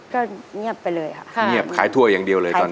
ก็เงียบไปเลยค่ะเงียบขายถั่วอย่างเดียวเลยตอน